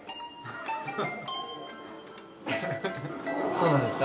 そうなんですか？